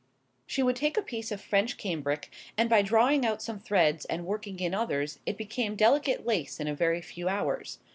She would take a piece of French cambric, and by drawing out some threads, and working in others, it became delicate lace in a very few hours.